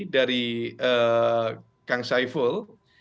dari kang saiful